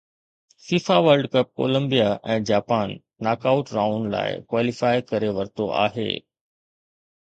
FIFA world cup Colombia ۽ Japan knock out round لاءِ qualify ڪري ورتو آهي